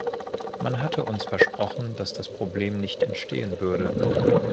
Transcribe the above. Man hatte uns versprochen, dass das Problem nicht entstehen würde.